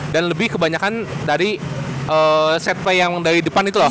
dan lebih kebanyakan dari set play yang dari depan itu loh